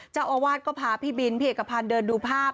เจ้าอาวาสก็พาพี่บินพี่เอกพันธ์เดินดูภาพ